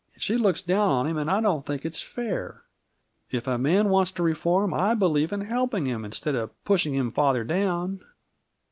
She looks down on him, and I don't think it's fair. If a man wants to reform, I believe in helping him instead of pushing him father down."